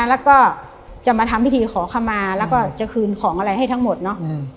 แล้วก็จะมาทำพิธีขอขมาแล้วก็จะคืนของอะไรให้ทั้งหมดเนาะ